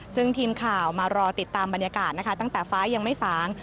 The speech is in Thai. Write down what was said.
ซึ่งทีมข่าวมารอติดตามบรรยากาศนะคะตั้งแต่ฟ้ายังไม่สาง